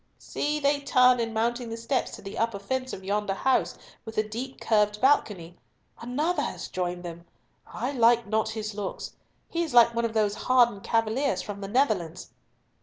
"See, they turn in mounting the steps to the upper fence of yonder house with the deep carved balcony. Another has joined them! I like not his looks. He is like one of those hardened cavaliers from the Netherlands."